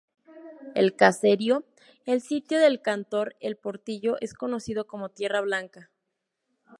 El caserío El Sitio del cantón El Portillo es conocido como Tierra Blanca.